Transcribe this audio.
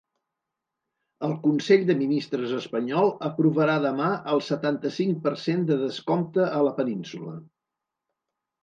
El consell de ministres espanyol aprovarà demà el setanta-cinc per cent de descompte a la península.